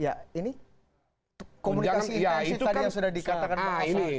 ya ini komunikasi intensif tadi yang sudah dikatakan bang faisal